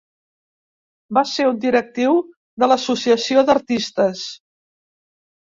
Va ser un directiu de l'Associació d'Artistes.